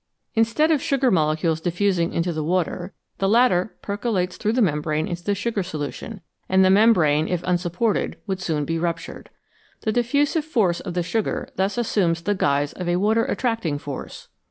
Instead of the sugar molecules diffusing into the water, the latter percolates through the membrane into the sugar solution, and the membrane, if unsupported, would soon be ruptured. The diffusive force of the sugar thus assumes the guise of a water attracting force.